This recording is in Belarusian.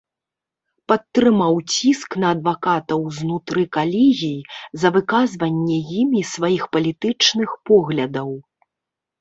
Падтрымаў ціск на адвакатаў знутры калегій за выказванне імі сваіх палітычных поглядаў.